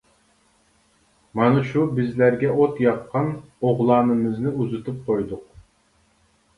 مانا شۇ بىزلەرگە ئوت ياققان ئوغلانىمىزنى ئۇزىتىپ قويدۇق.